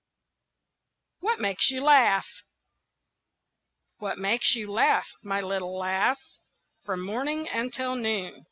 WHAT MAKES YOU LAUGH? "What makes you laugh, my little lass, From morning until noon?"